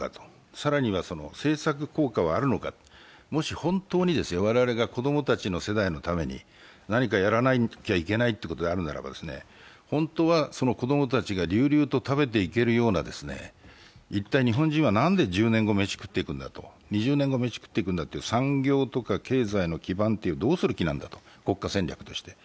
更には政策効果はあるのか、もし本当に我々が子供たちの世代のために何かやらなきゃいけないことがあるならば本当は子供たちが隆々と食べていけるような、一体、日本人は何で１０年後飯を食っていくんだと、２０年後飯食っていくんだと、産業とか経済の基盤どうする気なんだと、国家戦略として。